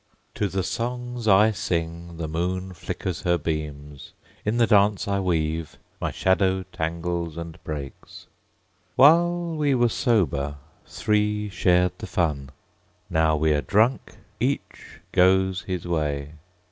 To the songs I sing the moon flickers her beams; In the dance I weave my shadow tangles and breaks. While we were sober, three shared the fun; Now we are drunk, each goes his way.